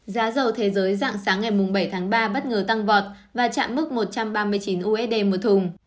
giá dầu thế giới dạng sáng ngày bảy tháng ba bất ngờ tăng vọt và chạm mức một trăm ba mươi chín usd một thùng